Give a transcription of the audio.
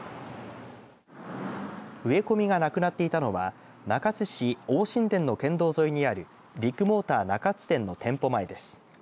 植え込みがなくなっていたのは中津市大新田の県道沿いにあるビッグモーター中津店の店舗前です。